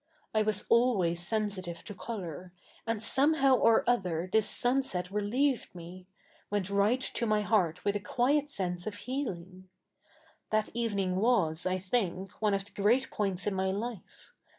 I was always se7isitive to colour ; UTtd so77iehow or other this su7iset relieved me — we7it right to my heart with a quiet se7ise of heali7ig. That eve7ii7ig was, I think, 07ie of the great points in 77iy life.